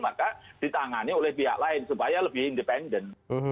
maka ditangani oleh pihak lain supaya lebih independen